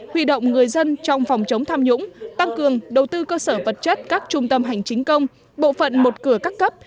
huy động người dân trong phòng chống tham nhũng tăng cường đầu tư cơ sở vật chất các trung tâm hành chính công bộ phận một cửa các cấp